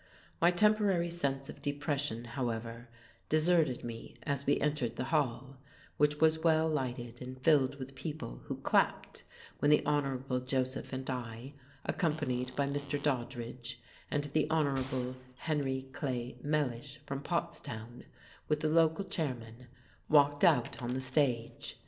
My temporary sense of depression, however, deserted me as we entered the hall, which was well lighted and filled with people, who clapped when the Hon. Joseph and I, accompanied by Mr. Doddridge and the Hon. Henry Clay Mellish from Pottstown, with the local chairman, walked out on the stage.